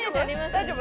大丈夫？